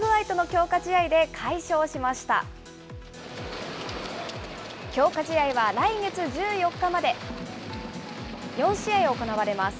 強化試合は来月１４日まで４試合行われます。